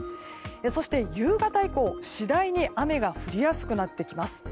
そして夕方以降、次第に雨が降りやすくなってきます。